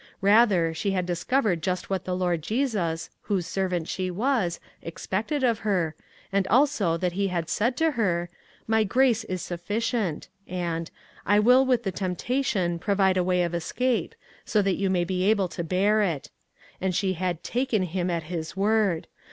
Rather, she had discovered just what the Lord Jesus, whose servant she was, expected of her, and also that he had said to her :" My grace is sufficient," and " I will with the temptation provide a way of escape, that you may be able to bear it ;" and she had taken him at his word.